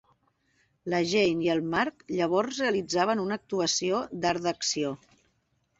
La Jane i en Marc llavors realitzaven una actuació d'art d'acció.